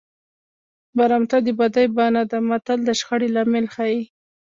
برمته د بدۍ بانه ده متل د شخړې لامل ښيي